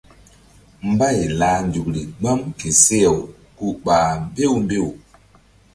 Mbay lah nzukri gbam ke seh-aw ku ɓah mbew mbew.